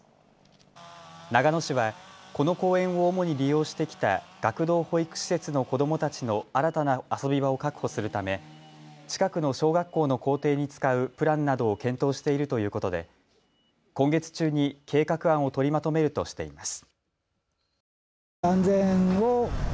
長野市はこの公園を主に利用してきた学童保育施設の子どもたちの新たな遊び場を確保するため近くの小学校の校庭に使うプランなどを検討しているということで今月中に計画案を取りまとめるとしています。